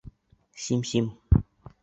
Симсим...